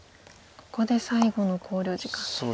ここで最後の考慮時間ですね。